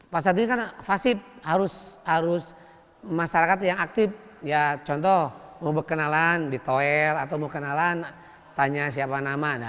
pasar ini kan fasib harus masyarakat yang aktif ya contoh mau berkenalan di toel atau mau kenalan tanya siapa nama